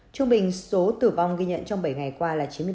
trung bình số tử vong ghi nhận trong bảy ngày qua